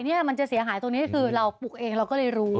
เนี่ยมันจะเสียหายตรงนี้คือเราปลูกเองเราก็เลยรู้